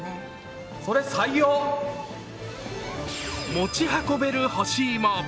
持ち運べる干しいも。